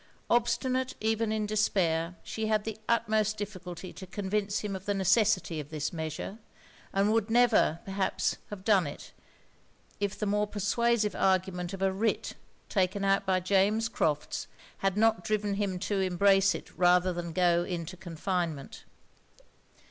Obstinate even in despair, she had the utmost difficulty to convince him of the necessity of this measure; and would never, perhaps, have done it, if the more persuasive argument of a writ, taken out by James Crofts, had not driven him to embrace it rather than go into confinement.